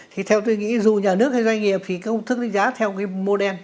thì theo tôi nghĩ dù nhà nước hay doanh nghiệp thì công thức tính giá theo cái mô đen